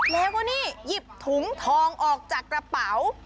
แล้วก็นี่หยิบถุงทองออกจากกระเป๋า